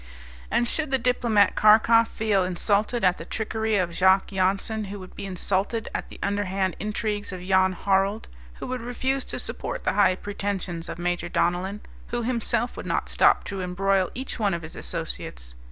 And should the diplomat Karkof feel insulted at the trickery of Jacques Jansen, who would be insulted at the underhand intrigues of Jan Harald, who would refuse to support the high pretensions of Major Donellan, who, himself, would not stop to embroil each one of his associates.